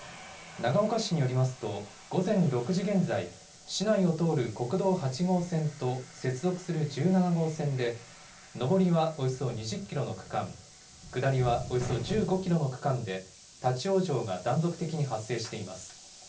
長岡市によりますと、午前６時現在、市内を通る国道８号線と接続する１７号線で、上りはおよそ２０キロの区間、下りはおよそ１５キロの区間で立往生が断続的に発生しています。